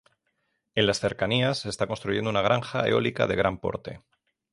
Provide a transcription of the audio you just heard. En las cercanías se está construyendo una granja eólica de gran porte.